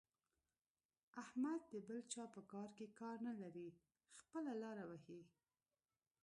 احمد د بل چا په کار کې کار نه لري؛ خپله لاره وهي.